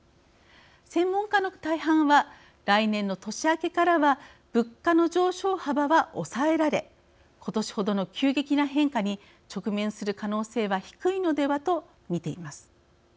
専門家の大半は来年の年明けからは物価の上昇幅は抑えられ今年ほどの急激な変化に直面する可能性は低いのではと見ています。